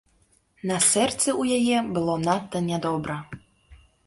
На сэрцы ў яе было надта нядобра.